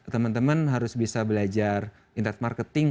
teman teman harus bisa belajar interest marketing